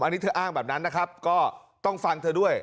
อันนี้เธออ้างแบบนั้นนะครับก็ต้องฟังเธอด้วย